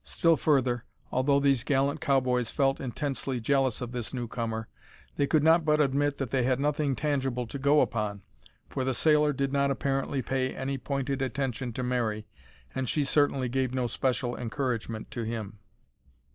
Still further, although these gallant cow boys felt intensely jealous of this newcomer, they could not but admit that they had nothing tangible to go upon, for the sailor did not apparently pay any pointed attention to Mary, and she certainly gave no special encouragement to him.